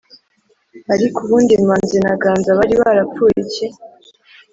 ariko ubundi manzi na ganza bari barapfuye iki.